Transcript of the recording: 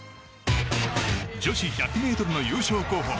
女子１００ｍの優勝候補